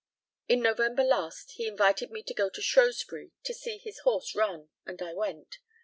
In November last he invited me to go to Shrewsbury to see his horse run, and I went.